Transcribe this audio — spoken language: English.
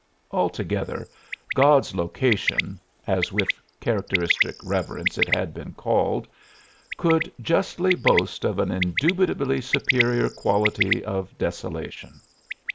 Altogether, God's Location, as with characteristic reverence it had been called, could justly boast of an indubitably superior quality of desolation.